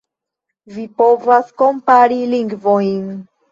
Vi povas kompari lingvojn.